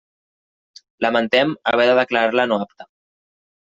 Lamentem haver de declarar-la no apta.